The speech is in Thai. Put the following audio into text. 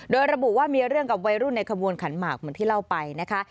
โดยระบุว่ามีเรื่องกับวัยรุ่นในขบวนขันหมากเหมือนที่เล่าไปนะคะ